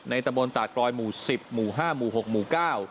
ตะบนตากลอยหมู่๑๐หมู่๕หมู่๖หมู่๙